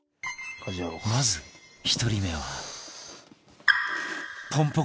まず１人目は